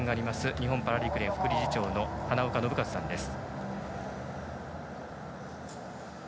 日本パラ陸連副理事長の花岡伸和さんです。